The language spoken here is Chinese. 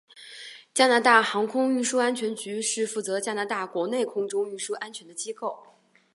加拿大航空运输安全局是负责加拿大国内空中运输安全的机构。